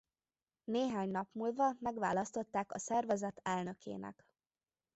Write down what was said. Néhány nap múlva megválasztották a szervezet elnökének.